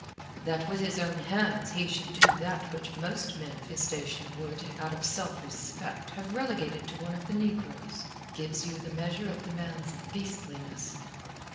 That with his own hands he should do that which most men of his station would, out of self respect, have relegated to one of the negroes, gives you the measure of the man's beastliness.